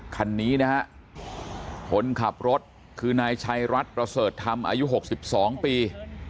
คันนี้นะฮะคนขับรถคือนายชัยรัฐประเสริฐธรรมอายุ๖๒ปี